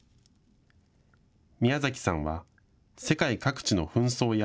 ミヤザキさんは世界各地の紛争や